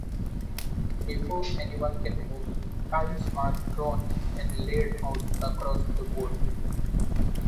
Before anyone can move, tiles are drawn and laid out across the board.